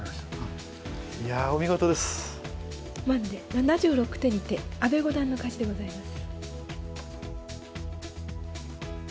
７６手にて阿部五段の勝ちでございます。